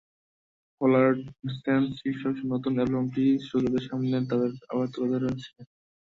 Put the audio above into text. Coloured sands শীর্ষক নতুন অ্যালবামটি শ্রোতাদের সামনে তাদের আবার তুলে ধরেছে।